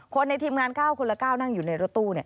ในทีมงาน๙คนละ๙นั่งอยู่ในรถตู้